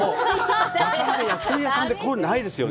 焼き鳥屋さんでないですよね